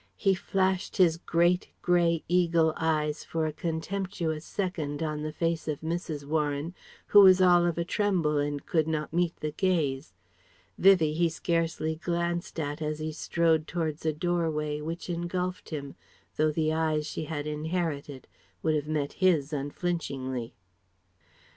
He flashed his great, grey eagle eyes for a contemptuous second on the face of Mrs. Warren, who was all of a tremble and could not meet the gaze. Vivie, he scarcely glanced at as he strode towards a doorway which engulfed him, though the eyes she had inherited would have met his unflinchingly.